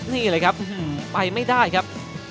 นี่เลยครับไปไม่ได้ครับ